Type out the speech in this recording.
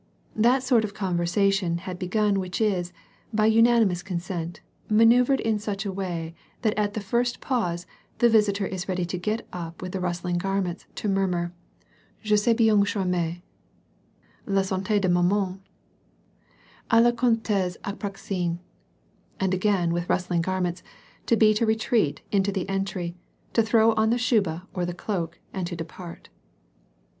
That sort of conversation had begmi which is, by unani mous consent, manoeuvred in such a way that at the first pause, the visitor is ready to get up, and with a rustling oft garments, to murmur: "Je suis bien charme — la saute de maman — et la Comtesse Apraksine, " and again with rustling garments to beat a retreat into the entry, to throw on the shuba or the cloak, and to depart.